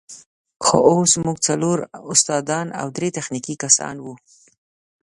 خو اوس موږ څلور استادان او درې تخنیکي کسان وو.